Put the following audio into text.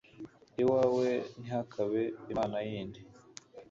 Iwawe ntihakabe imana yindi